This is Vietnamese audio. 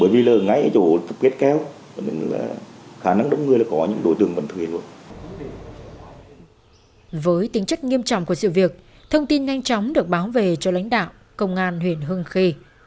với tính chất nghiêm trọng của sự việc thông tin nhanh chóng được báo về cho lãnh đạo công an huyện hương khê